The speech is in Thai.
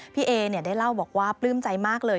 พี่เอได้เล่าบอกว่าปลื้มใจมากเลย